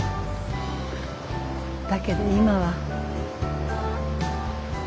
だけど今は。